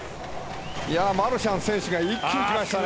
マルシャン選手が一気に来ましたね。